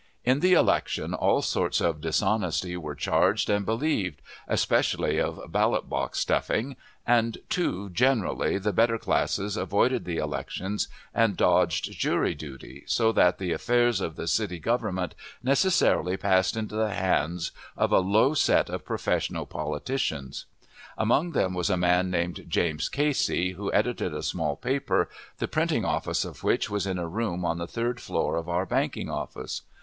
In the election all sorts of dishonesty were charged and believed, especially of "ballot box stuffing," and too generally the better classes avoided the elections and dodged jury duty, so that the affairs of the city government necessarily passed into the hands of a low set of professional politicians. Among them was a man named James Casey, who edited a small paper, the printing office of which was in a room on the third floor of our banking office.